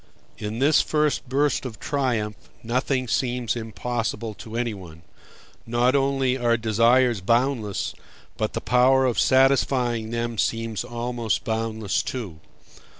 In this first burst of triumph nothing seems impossible to anyone: not only are desires boundless, but the power of satisfying them seems almost boundless, too.